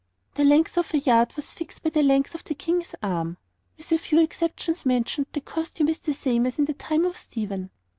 The length of a yard was fixed by the length of the King's arm. With the few exceptions mentioned, the costume is the same as in the time of Stephen.